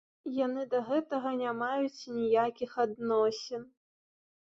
Яны да гэтага не маюць ніякіх адносін.